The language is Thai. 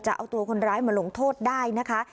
จะเอาตัวคนร้ายมาลงโทษได้นะคะ